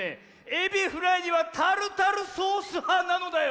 エビフライにはタルタルソースはなのだよ。